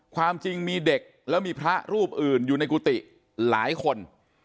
ความจริงมีเด็กแล้วมีพระรูปอื่นอยู่ในกุฏิหลายคน